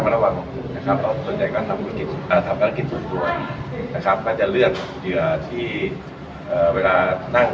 ระวังนะครับออกส่วนใหญ่ก็ทำการเก็บเราทำการกิจถูกตัวนะครับว่าจะเลือกเหยื่อที่เวลานั่ง